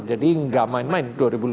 jadi nggak main main